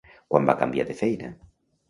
Quan va canviar de feina?